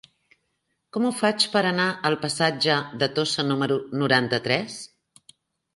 Com ho faig per anar al passatge de Tossa número noranta-tres?